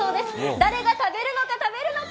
誰が食べるのか、食べるのか。